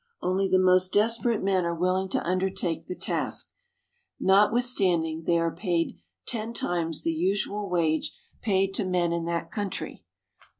Only the most desperate men are willing to undertake the task, notwithstanding they are paid ten times the usual wage paid to men in that country.